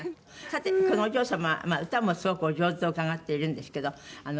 さてこのお嬢様は歌もすごくお上手と伺っているんですけど。